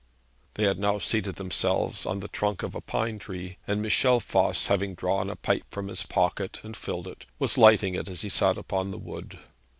They had now seated themselves on the trunk of a pine tree; and Michel Voss having drawn a pipe from his pocket and filled it, was lighting it as he sat upon the wood.